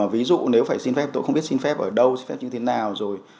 ví dụ nếu phải xin phép tôi không biết xin phép ở đâu xin phép như thế nào rồi